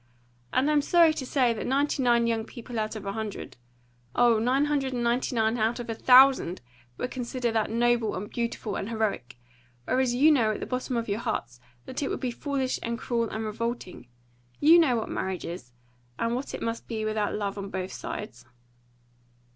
And I'm sorry to say that ninety nine young people out of a hundred oh, nine hundred and ninety nine out of a thousand! would consider that noble and beautiful and heroic; whereas you know at the bottom of your hearts that it would be foolish and cruel and revolting. You know what marriage is! And what it must be without love on both sides."